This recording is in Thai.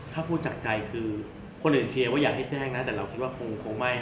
ถ้าพูดจากใจคือคนอื่นเชียร์ว่าอยากให้แจ้งนะแต่เราคิดว่าคงไม่